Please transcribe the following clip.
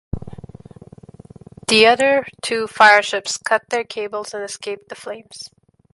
The other two fireships cut their cables and escaped the flames.